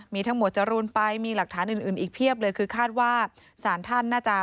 มีทั้งหมวดจรูนไปมีหลักฐานอื่นอื่นอีกเพียบเลยคือคาดว่าสารท่านน่าจะ